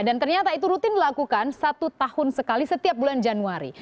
dan ternyata itu rutin dilakukan satu tahun sekali setiap bulan januari